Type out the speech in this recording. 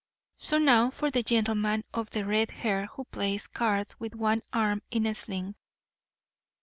So now for the gentleman of the red hair who plays cards with one arm in a sling."